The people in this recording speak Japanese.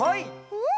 うん。